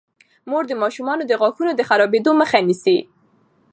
مور د ماشومانو د غاښونو د خرابیدو مخه نیسي.